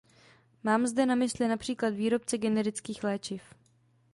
Mám zde na mysli například výrobce generických léčiv.